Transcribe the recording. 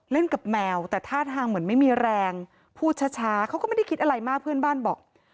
กับแมวแต่ท่าทางเหมือนไม่มีแรงพูดช้าเขาก็ไม่ได้คิดอะไรมากเพื่อนบ้านบอก